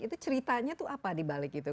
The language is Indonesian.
itu ceritanya itu apa dibalik itu